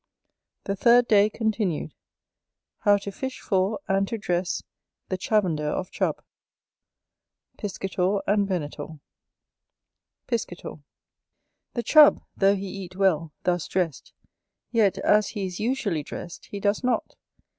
The third day continued How to fish for, and to dress, the Chavender of Chub Chapter III Piscator and Venator Piscator. The Chub, though he eat well, thus dressed, yet as he is usually dressed, he does not.